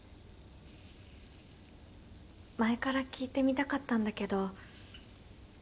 前から聞いてみたかったんだけど。